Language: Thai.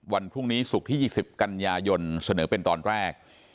วันพรุ่งนี้ศุกร์ที่๒๐กันยายนเสนอเป็นตอนแรก